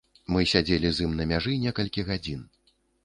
Мы сядзелі з ім на мяжы некалькі гадзін.